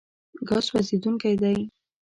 ګاز سوځېدونکی دی.